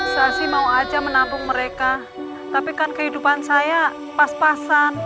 saya sih mau aja menampung mereka tapi kan kehidupan saya pas pasan